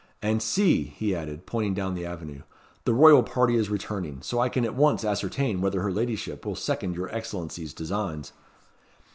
"And see!" he added, pointing down the avenue, "the royal party is returning, so I can at once ascertain whether her ladyship will second your Excellency's designs."